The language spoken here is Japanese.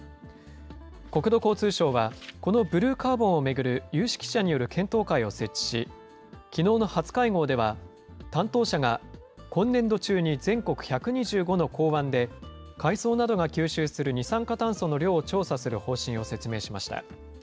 国土交通省は、このブルーカーボンを巡る有識者による検討会を設置し、きのうの初会合では、担当者が、今年度中に全国１２５の港湾で、海草などが吸収する二酸化炭素の量を調査する方針を説明しました。